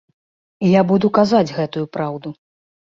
І я буду казаць гэтую праўду.